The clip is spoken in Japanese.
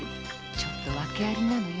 ちょっと訳ありなのよ。